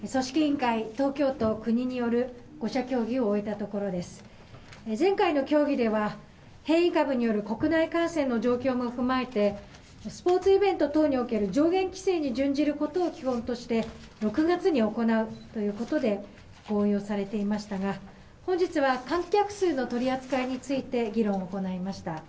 前回の協議では、変異株による国内感染の状況も踏まえて、スポーツイベント等における上限規制に準じることを基本として、６月に行うということで合意をされていましたが、本日は観客数の取り扱いについて議論を行いました。